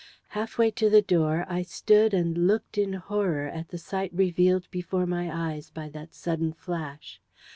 Half way to the door, I stood and looked in horror at the sight revealed before my eyes by that sudden flash.